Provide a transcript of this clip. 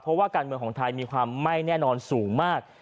เพราะว่าการเมืองของไทยมีความไม่แน่นอนสูงมาก